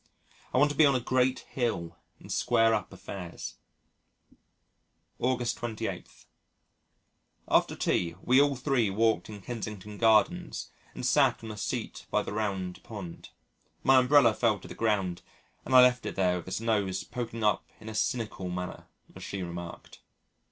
I want to be on a great hill and square up affairs. August 28. ... After tea, we all three walked in Kensington Gardens and sat on a seat by the Round Pond. My umbrella fell to the ground, and I left it there with its nose poking up in a cynical manner, as She remarked.